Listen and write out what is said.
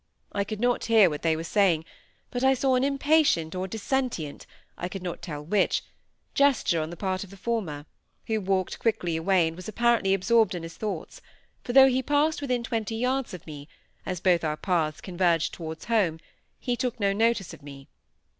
I could not hear what they were saying, but I saw an impatient or dissentient (I could not tell which) gesture on the part of the former, who walked quickly away, and was apparently absorbed in his thoughts, for though he passed within twenty yards of me, as both our paths converged towards home, he took no notice of me.